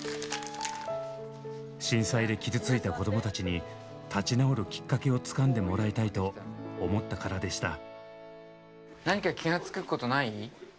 震災で傷ついた子供たちに立ち直るきっかけをつかんでもらいたいと思ったからでした。